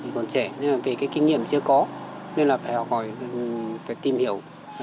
mình còn trẻ nhưng kinh nghiệm chưa có nên phải học hỏi phải tìm hiểu